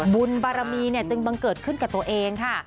บุญบารมีจึงบังเกิดขึ้นกับตัวเองค่ะ